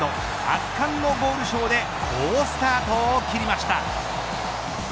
圧巻のゴールショーで好スタートを切りました。